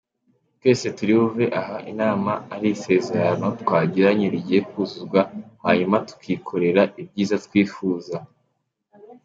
Twese turi buve aha inama ari isezerano twagiranye rigiye kuzuzwa hanyuma tukikorera ibyiza twifuza.